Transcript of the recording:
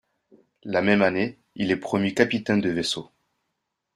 La même année, il est promu capitaine de vaisseau.